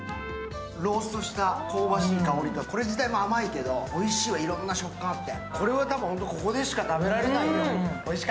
ローストした香ばしい香りと、これ自体も甘いけど、おいしいわ、いろんな食感があって。